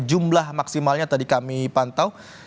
jumlah maksimalnya tadi kami pantau